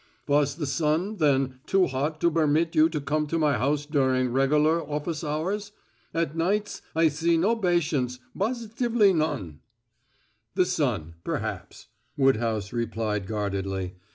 "Was the sun, then, too hot to bermit you to come to my house during regular office hours? At nights I see no batients bositively none." "The sun perhaps," Woodhouse replied guardedly.